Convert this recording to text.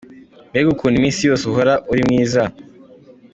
Mbega ukuntu iminsi yose uhora uru mwiza!.